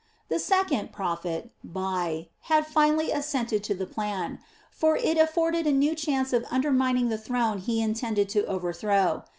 The second prophet, Bai, had finally assented to the plan; for it afforded a new chance of undermining the throne he intended to overthrow.